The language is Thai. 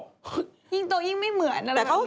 ไปที่ยิ่งต่อยิ่งไม่เหมือน